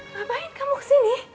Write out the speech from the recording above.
ngapain kamu kesini